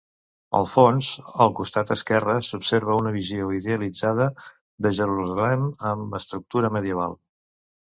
Al fons, al costat esquerre, s'observa una visió idealitzada de Jerusalem amb estructura medieval.